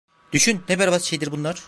Düşün ne berbat şeydir bunlar!